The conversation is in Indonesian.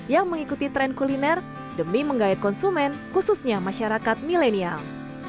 yang mengikuti tren kuliner demi menggayat konsumen khususnya masyarakat milenial